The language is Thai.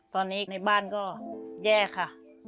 ตอนนี้ในบ้านก็แย่ค่ะ